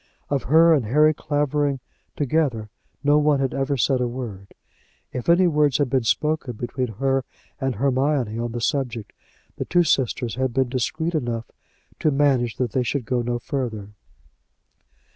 Of her and Harry Clavering together no one had ever said a word. If any words had been spoken between her and Hermione on the subject, the two sisters had been discreet enough to manage that they should go no further.